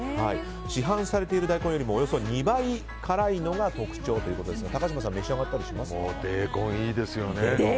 市販されている大根よりもおよそ２倍辛いのが特徴ということですが高嶋さんでえこん、いいですよね。